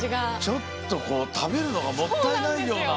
ちょっとこうたべるのがもったいないような。